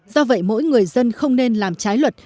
do vậy mỗi người dân không nên làm trái luật